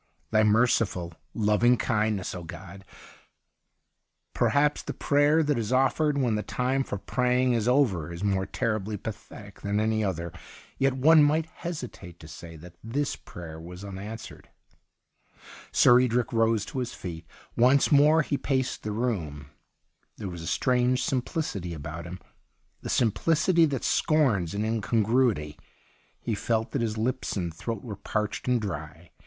Thy merciful loving kindness, O God !' Perhaps the prayer that is offered when the time for praying is over is more terribly pathetic than any other. Yet one might hesitate to say that this prayer was unanswered. Sir Edric rose to his feet. Once 112 THE UNDYING THING more he paced the room. There was a strange simplicity about him, the simphcity that scorns an incon gruity. He felt that his lips and throat were parched and dry.